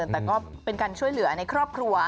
แต่ก็เป็นการช่วยเหลือในครอบครัว